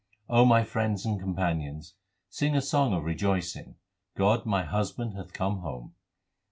O my friends and companions, sing a song of rejoicing, God my Husband hath come home.